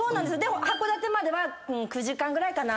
函館までは９時間ぐらいかな。